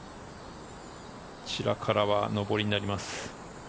こちらからは上りになります。